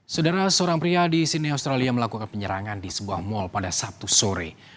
saudara seorang pria di sini australia melakukan penyerangan di sebuah mal pada sabtu sore